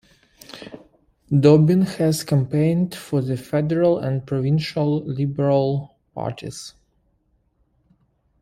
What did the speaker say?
Dobbin has campaigned for the federal and provincial Liberal parties.